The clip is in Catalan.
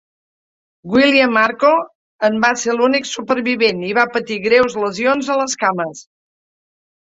William Arko en va ser l'únic supervivent i va patir greus lesions a les cames.